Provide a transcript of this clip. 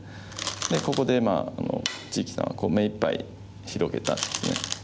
でここで一力さんは目いっぱい広げたんですね。